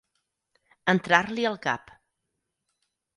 Entrar-l'hi al cap.